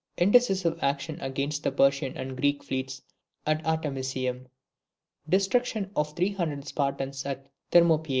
Indecisive actions between the Persian and Greek fleets at Artemisium. Destruction of the three hundred Spartans at Thermopyae.